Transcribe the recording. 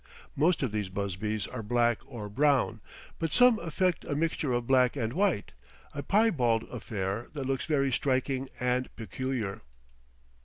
Most of these busbies are black or brown, but some affect a mixture of black and white, a piebald affair that looks very striking and peculiar.